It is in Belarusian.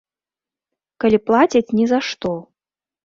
Калі плацяць ні за што.